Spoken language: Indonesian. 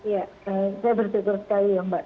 ya saya bersyukur sekali ya mbak